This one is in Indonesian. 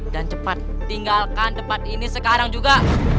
dan cepat tinggalkan tempat ini sekarang juga